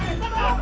saya mau membunuh